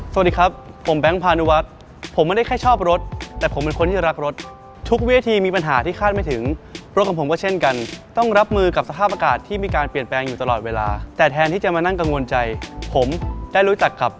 สวัสดีครับผมแบงค์พานุวัฒน์ผมไม่ได้แค่ชอบรถแต่ผมเป็นคนที่รักรถทุกเวทีมีปัญหาที่คาดไม่ถึงรถของผมก็เช่นกันต้องรับมือกับสภาพอากาศที่มีการเปลี่ยนแปลงอยู่ตลอดเวลาแต่แทนที่จะมานั่งกังวลใจผมได้รู้จักกับ